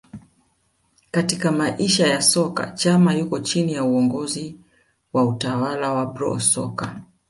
Katika maisha ya soka Chama yuko chini ya uongozi wa utawala wa Bro Soccer